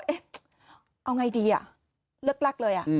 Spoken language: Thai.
เอาอย่างไรดีเลิกลักเลย